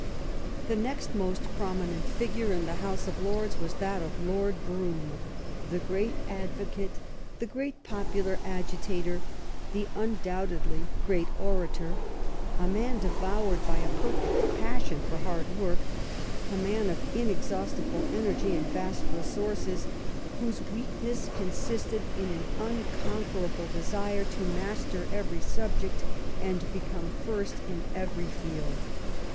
The next most prominent figure in the House of Lords was that of Lord Brougham, the great advocate, the great popular agitator, the un doubtedly great orator — a man devoured by a perfect passion for hard work, a man of inex haustible energy and vast resources, whose weak ness consisted in an unconquerable desire to master every subject and to become first in every field.